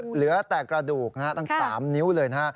เหลือแต่กระดูกทั้ง๓นิ้วเลยนะฮะ